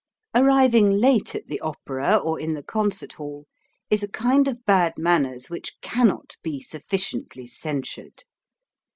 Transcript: Arriving late at the opera or in the con cert hall is a kind of bad manners which can 306 HOW TO SING not be sufficiently censured.